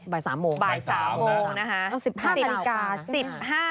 บ่าย๓โมงนะครับบ่าย๓โมงนะคะต้อง๑๕นาฬิกา